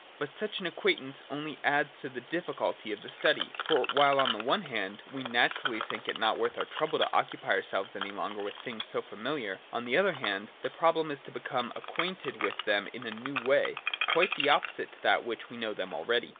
But such an acquaintance only adds to the difficulties of the study ; for while, on the one hand, we naturally think it is not worth our trouble to occupy ourselves any longer with things so familiar, on the other hand, the problem is to become acquainted with them in a new way, quite opposite to that in which we know them already.